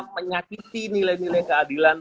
menyakiti nilai nilai keadilan